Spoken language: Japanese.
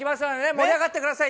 盛り上がって下さい。